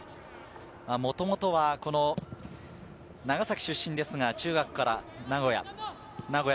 もともと長崎出身ですが中学から名古屋。